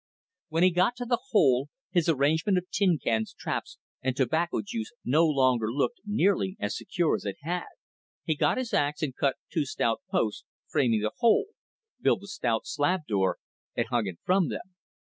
When he got to the hole, his arrangement of tin cans, traps, and tobacco juice no longer looked nearly as secure as it had. He got his ax and cut two stout posts, framing the hole; built a stout slab door and hung it from them.